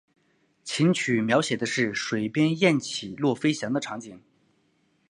琴曲描写的是水边雁起落飞翔的场景。